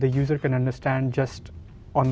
dan para pengguna bisa memahami